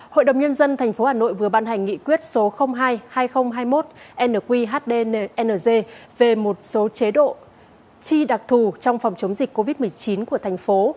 hội đồng nhân dân tp hà nội vừa ban hành nghị quyết số hai hai nghìn hai mươi một nqhdnz về một số chế độ chi đặc thù trong phòng chống dịch covid một mươi chín của thành phố